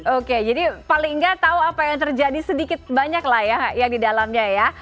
oke jadi paling nggak tahu apa yang terjadi sedikit banyak lah ya di dalamnya ya